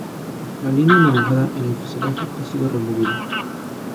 La línea anaranjada en el fuselaje ha sido removida.